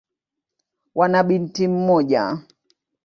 Wana binti mmoja.